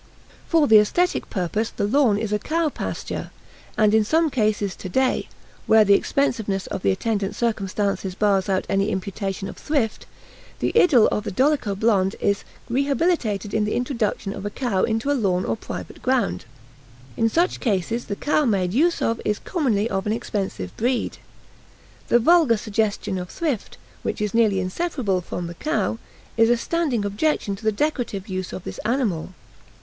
For the aesthetic purpose the lawn is a cow pasture; and in some cases today where the expensiveness of the attendant circumstances bars out any imputation of thrift the idyl of the dolicho blond is rehabilitated in the introduction of a cow into a lawn or private ground. In such cases the cow made use of is commonly of an expensive breed. The vulgar suggestion of thrift, which is nearly inseparable from the cow, is a standing objection to the decorative use of this animal.